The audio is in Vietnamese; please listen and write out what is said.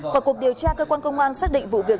vào cuộc điều tra cơ quan công an xác định vụ việc